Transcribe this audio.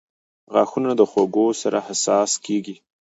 • غاښونه د خوږو سره حساس کیږي.